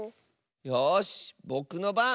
よしぼくのばん！